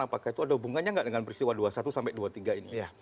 apakah itu ada hubungannya nggak dengan peristiwa dua puluh satu sampai dua puluh tiga ini